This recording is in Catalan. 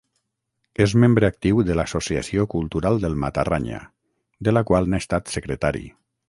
És membre actiu de l'Associació Cultural del Matarranya, de la qual n'ha estat secretari.